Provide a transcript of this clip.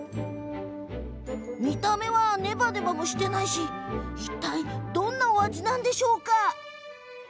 見た目はネバネバもしていないしいったいどんな味なんでしょうか。